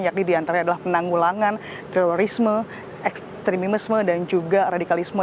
yakni diantara adalah penanggulangan terorisme ekstremisme dan juga radikalisme